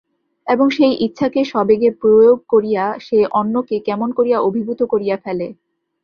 এবং সেই ইচ্ছাকে সবেগে প্রয়োগ করিয়া সে অন্যকে কেমন করিয়া অভিভূত করিয়া ফেলে!